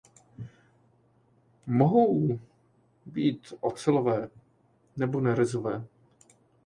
Mohou být ocelové nebo nerezové.